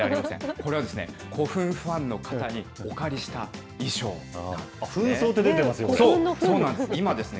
これは、古墳ファンの方にお借りした衣装なんですね。